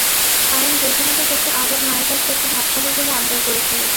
কারণ জেলখানাতে বসে আজাদ মায়ের কাছে একটু ভাত খাবে বলে আবদার করেছিল।